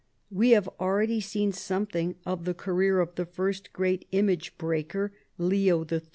We have already seen something of the career of the first great image breaker, Leo III.